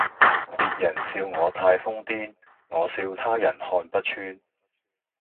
別人笑我太瘋癲，我笑他人看不穿